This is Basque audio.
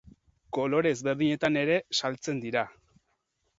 Kolore ezberdinetan ere saltzen dira.